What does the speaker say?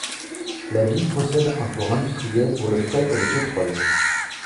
La ville possède un port industriel pour le fret et le pétrole.